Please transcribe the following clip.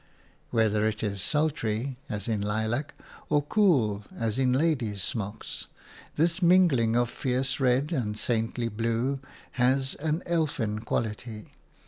Whether it is sultry, as in lilac, or cool, as in lady's smocks, this mingling of fierce red and saintly blue has an elfin quality.